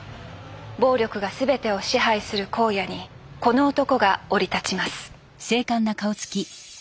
暴力が全てを支配する荒野にこの男が降り立ちます。